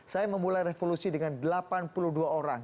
saya memulai revolusi dengan delapan puluh dua orang